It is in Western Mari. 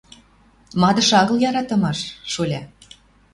Мадыш агыл яратымаш, шоля.